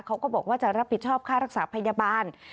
เขาก็บอกว่าจะรับผิดชอบค่ารักษาพยาบาล